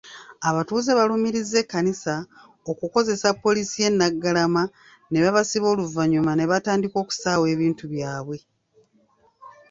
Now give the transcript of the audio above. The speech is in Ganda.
Abatuuze balumiriza Ekkanisa okukozesa poliisi y'e Naggalama ne babasiba oluvannyuma n'etandika okusaawa ebintu byabwe.